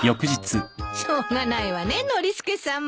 しょうがないわねノリスケさんも。